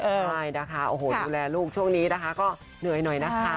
ใช่นะคะโอ้โหดูแลลูกช่วงนี้นะคะก็เหนื่อยหน่อยนะคะ